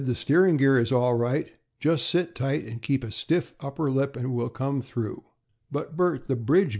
"The steering gear is all right. Just sit tight and keep a stiff upper lip, and we'll come through." "But, Bert, the bridge!"